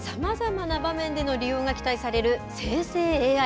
さまざまな場面での利用が期待される生成ＡＩ。